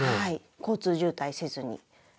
交通渋滞せずに。